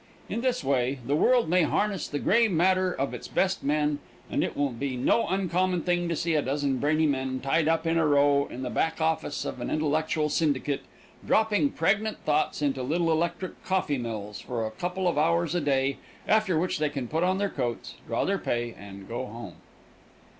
In this way the world may harness the gray matter of its best men, and it will be no uncommon thing to see a dozen brainy men tied up in a row in the back office of an intellectual syndicate, dropping pregnant thoughts into little electric coffee mills for a couple of hours a day, after which they can put on their coats, draw their pay, and go home.